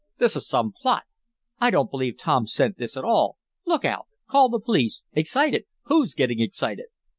This is some plot! I don't believe Tom sent this at all! Look out! Call the police! Excited! Who's getting excited?"